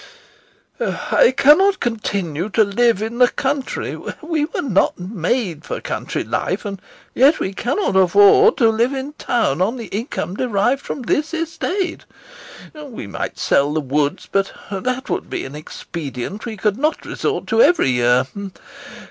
[A pause] I cannot continue to live in the country; we were not made for country life, and yet we cannot afford to live in town on the income derived from this estate. We might sell the woods, but that would be an expedient we could not resort to every year.